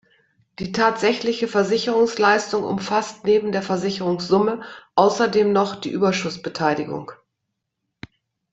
Die tatsächliche Versicherungsleistung umfasst neben der Versicherungssumme außerdem noch die Überschussbeteiligung.